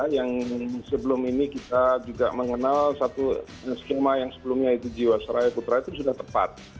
yang sebelum ini kita juga mengenal satu skema yang sebelumnya itu jiwasraya putra itu sudah tepat